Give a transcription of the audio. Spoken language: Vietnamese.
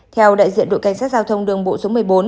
theo đại diện đội cảnh sát giao thông đường bộ số một mươi bốn